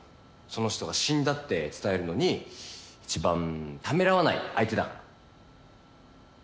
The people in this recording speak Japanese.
その人が死んだって伝えるのに一番ためらわない相手だから。